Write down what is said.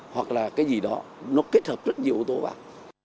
hoặc là cái gì đó nó kết hợp rất nhiều yếu tố vào